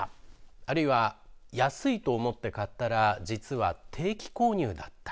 あるいは安いと思って買ったら実は定期購入だった。